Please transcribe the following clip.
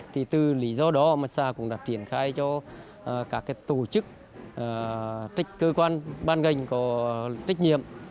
thì từ lý do đó mà xã cũng đã triển khai cho các tổ chức cơ quan ban ngành có trách nhiệm